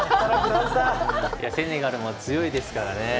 セネガルも強いですからね。